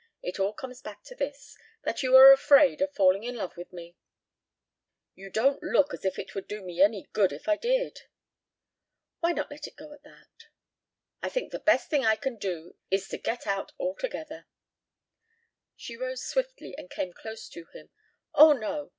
It all comes back to this that you are afraid of falling in love with me." "You don't look as if it would do me any good if I did." "Why not let it go at that?" "I think the best thing I can do is to get out altogether." She rose swiftly and came close to him. "Oh, no!